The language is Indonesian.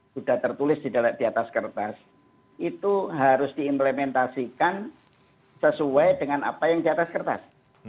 sudah tertulis di atas kertas itu harus diimplementasikan sesuai dengan apa yang di atas kertas